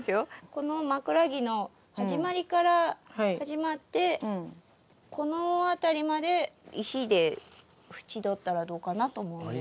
この枕木の始まりから始まってこの辺りまで石で縁取ったらどうかなと思うんですけどね。